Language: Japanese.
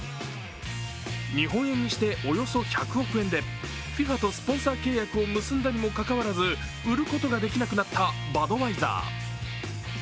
日本円にして、およそ１００億円でＦＩＦＡとスポンサー契約を結んだにもかかわらず売ることができなくなったバドワイザー。